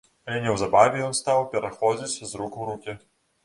Але неўзабаве ён стаў пераходзіць з рук у рукі.